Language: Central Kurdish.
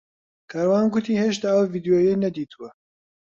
کاروان گوتی هێشتا ئەو ڤیدیۆیەی نەدیتووە.